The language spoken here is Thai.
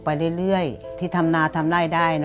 ไปเรื่อยที่ทำนาทำไร่ได้